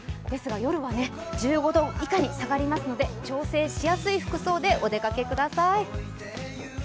ですが夜は１５度以下に下がりますので調整しやすい服装でお出かけください。